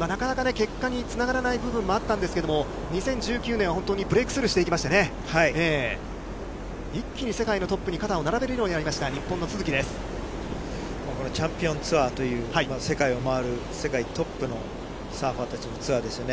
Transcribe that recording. なかなか結果につながらない部分もあったんですけど、２０１９年は本当にブレークスルーしていきましたね、一気に世界のトップに肩を並べるようになりました、これ、チャンピオンツアーという、世界を回る、世界トップのサーファーたちのツアーですよね。